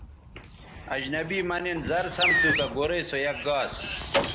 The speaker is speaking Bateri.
اجنبی مہ نِن زر سَم تھو کہ گورئ سو یک گاس